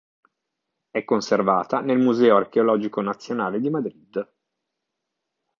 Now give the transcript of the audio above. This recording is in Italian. È conservata nel Museo Archeologico Nazionale di Madrid.